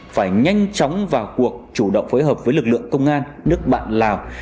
phải nhanh chóng vào cuộc chủ động phối hợp với lực lượng công an nước bạn lào